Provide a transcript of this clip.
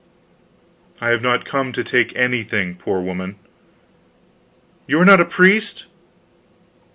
"I have not come to take anything, poor woman." "You are not a priest?"